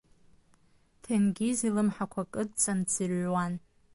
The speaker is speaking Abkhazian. Ҭенгиз илымҳақәа кыдҵаны дӡырҩуан.